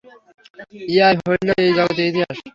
ইহাই হইল এই জগতের ইতিহাস।